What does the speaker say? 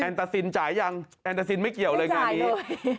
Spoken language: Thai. ตาซินจ่ายยังแอนตาซินไม่เกี่ยวเลยงานนี้